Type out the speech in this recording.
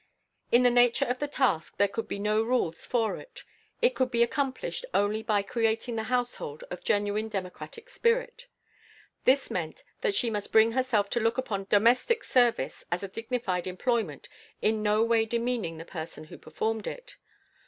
In the nature of the task there could be no rules for it. It could be accomplished only by creating in the household a genuine democratic spirit. This meant that she must bring herself to look upon domestic service as a dignified employment in no way demeaning the person who performed it.